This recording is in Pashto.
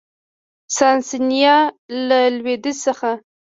ساسانیان له لویدیځ څخه